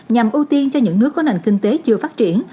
nhằm ưu tiên cho những nước có nền kinh tế chưa phát triển